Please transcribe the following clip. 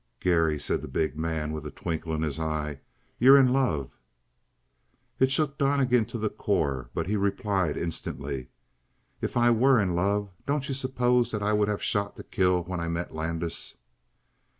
"Garry," said the big man with a twinkle in his eye, "you're in love!" It shook Donnegan to the core, but he replied instantly; "If I were in love, don't you suppose that I would have shot to kill when I met Landis?"